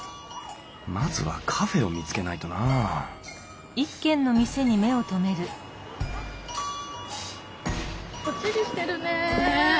まずはカフェを見つけないとなぁもっちりしてるね。ね。